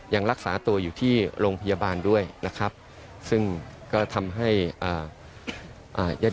ยังรักษาตัวอยู่ที่โรงพยาบาลด้วยนะครับซึ่งก็ทำให้อ่าญาติ